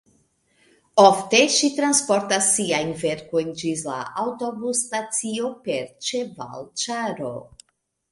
Ofte ŝi transportas siajn verkojn ĝis la aŭtobus-stacio per ĉevalĉaro.